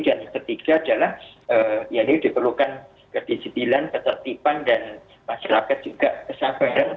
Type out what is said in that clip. dan yang ketiga adalah ini diperlukan kedisipilan ketertiban dan masyarakat juga kesabaran